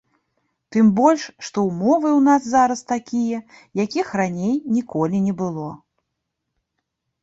Тым больш што ў мовы ў нас зараз такія, якіх раней ніколі не было.